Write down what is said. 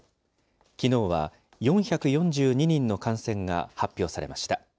きのうは４４２人の感染が発表されました。